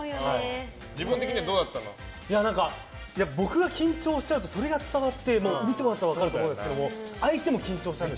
僕が緊張しちゃうとそれが伝わって見てもらったら分かると思うんですけど相手も緊張しちゃって。